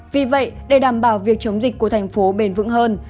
vì vậy để đảm bảo việc chống dịch của tp hcm bền vững hơn